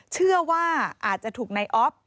เชื่อว่าอาจจะถูกนายอ๊อฟ